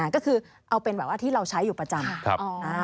ก็คือเอาเป็นแบบว่าที่เราใช้อยู่ประจำ